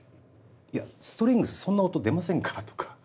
「いやストリングスそんな音出ませんから」とか。